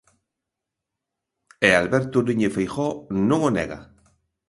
E Alberto Núñez Feijóo non o nega.